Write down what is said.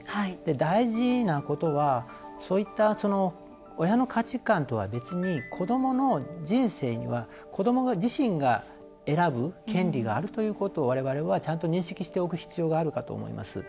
大事なことはそういった親の価値観とは別に子どもの人生には子ども自身が選ぶ権利があるということを我々は、ちゃんと認識しておく必要があるかと思います。